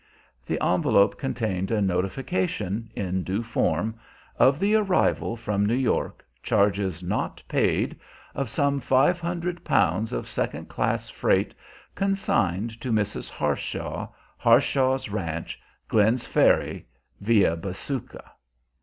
The envelope contained a notification, in due form, of the arrival from New York, charges not paid, of some five hundred pounds of second class freight consigned to Mrs. Harshaw, Harshaw's ranch, Glenn's Ferry (via Bisuka).